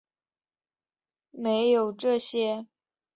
没有这些